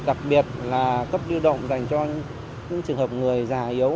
đặc biệt là cấp lưu động dành cho những trường hợp người già yếu